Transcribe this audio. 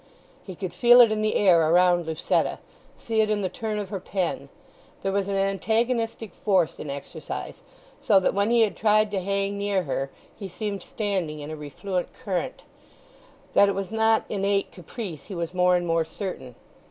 He could feel it in the air around Lucetta, see it in the turn of her pen. There was an antagonistic force in exercise, so that when he had tried to hang near her he seemed standing in a refluent current. That it was not innate caprice he was more and more certain.